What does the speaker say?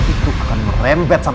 posisi gue akan terancam